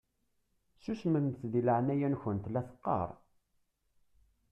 Susmemt deg leɛnaya-nkent la teqqaṛ!